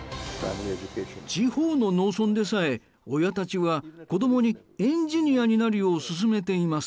地方の農村でさえ親たちは子供にエンジニアになるよう勧めています。